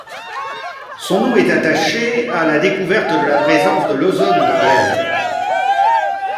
Son nom est attaché à la découverte de la présence de l’ozone dans l'air.